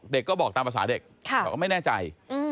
เด็กก็บอกตามภาษาเด็กเขาก็ไม่แน่ใจ